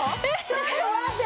ちょっと待って！